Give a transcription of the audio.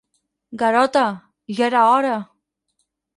Garota, ja era hora!